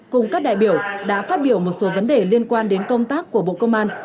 cùng các đại biểu đã phát biểu một số vấn đề liên quan đến công tác của bộ công an